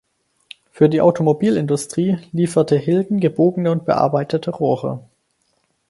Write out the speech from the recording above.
Für die Automobilindustrie lieferte Hilden gebogene und bearbeitete Rohre.